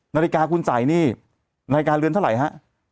นาฬิกาคุณใส่นี่นาฬิกาเรือนเท่าไหร่ฮะ